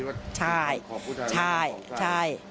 เอาจริงคิดว่าของผู้ชายใช่